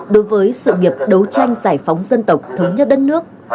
đối với sự nghiệp đấu tranh giải phóng dân tộc thống nhất đất nước